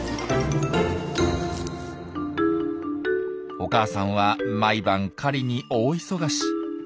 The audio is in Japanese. お母さんは毎晩狩りに大忙し。